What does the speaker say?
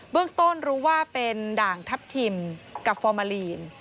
เรื่องต้นรู้ว่าเป็นด่างทัพทิมกับฟอร์มาลีน